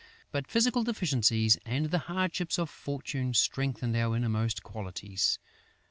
But physical deficiencies and the hardships of fortune strengthen our innermost qualities.